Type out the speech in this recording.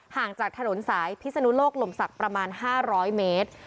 ห่างจากถนนสายพิศนุโลกลมศักดิ์ประมาณ๕๐๐เมตร